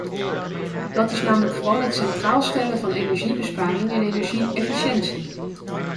Dat is namelijk gewoon het centraal stellen van energiebesparing en energie-efficiëntie.